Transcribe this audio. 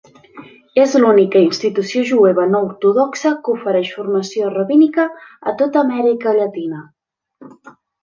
És l'única institució jueva no ortodoxa que ofereix formació rabínica a tota Amèrica Llatina.